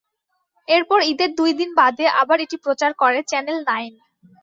এরপর ঈদের দুই দিন বাদে আবার এটি প্রচার করে চ্যানেল নাইন।